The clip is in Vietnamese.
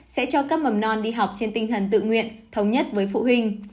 sẽ cho các mầm non đi học trên tinh thần tự nguyện thống nhất với phụ huynh